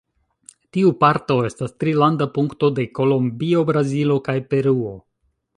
Tiu parto estas Trilanda punkto de Kolombio, Brazilo kaj Peruo.